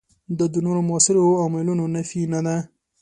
دا د نورو موثرو عواملونو نفي نه ده.